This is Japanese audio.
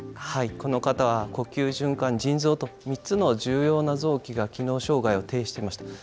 この方は呼吸循環、腎臓と３つの重要な臓器が機能障害をていしていました。